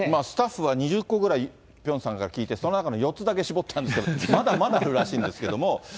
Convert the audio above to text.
スタッフは２０個ぐらいピョンさんから聞いて、その中の４つだけ絞ったんですけど、まだまだあるらしいんですけれども。